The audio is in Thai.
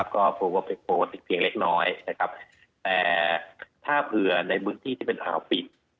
ก็พูดว่าเป็นปกติเพียงเล็กน้อยแต่ถ้าเผื่อในพื้นที่ที่เป็นอาวุธฟิต